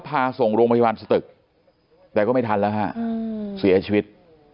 พาส่งโรงพยาบาลสตึกแต่ก็ไม่ทันแล้วฮะเสียชีวิต